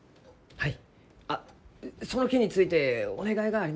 はい。